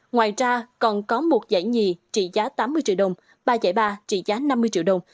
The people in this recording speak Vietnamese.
ngoài ra còn có một giải nhì trị giá tám mươi triệu đồng ba giải ba trị giá năm mươi triệu đồng